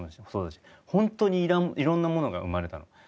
ホントにいろんなものが生まれたの。